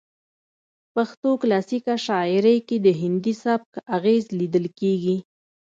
پښتو کلاسیکه شاعرۍ کې د هندي سبک اغیز لیدل کیږي